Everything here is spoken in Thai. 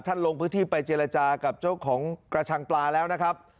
ลงพื้นที่ไปเจรจากับเจ้าของกระชังปลาแล้วนะครับ